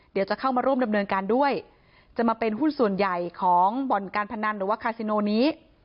เดี๋ยวจะเข้ามาร่วมดำเนินการด้วยจะมาเป็นหุ้นส่วนใหญ่ของบ่อนการพนันหรือว่าคาซิโนนี้